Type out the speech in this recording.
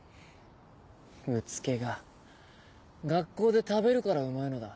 うつけが学校で食べるからうまいのだ。